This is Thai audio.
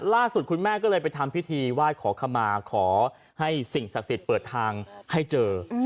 ล่าสุดคุณแม่ก็เลยไปทำพิธีไหว้ขอขมาขอให้สิ่งศักดิ์สิทธิ์เปิดทางให้เจอ